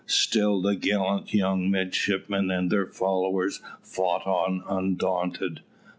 Still the gallant young midshipmen and their followers fought on undaunted.